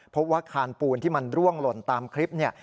ว่าคานปูนที่มันร่วงหล่นตามคลิปเนี่ย